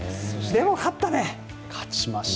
でも勝ったね。